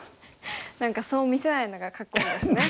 何かそう見せないのがかっこいいですね。